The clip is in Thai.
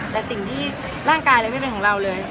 แต่สิ่งที่ร่างกายอะไรไม่เป็นของเราเลย